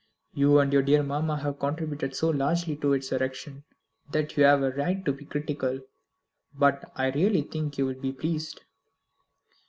"You and your dear mamma have contributed so largely to its erection that you have a right to be critical; but I really think you will be pleased."